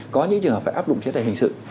có những trường hợp phải áp dụng chế tài hình sự